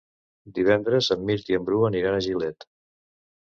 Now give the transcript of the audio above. Divendres en Mirt i en Bru aniran a Gilet.